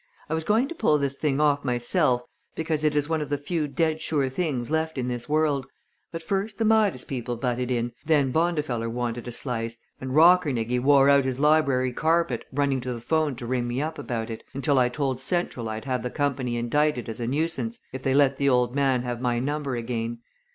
"I was going to pull this thing off myself because it is one of the few dead sure things left in this world, but first the Midas people butted in, then Bondifeller wanted a slice, and Rockernegie wore out his library carpet running to the 'phone to ring me up about it, until I told Central I'd have the company indicted as a nuisance if they let the old man have my number again.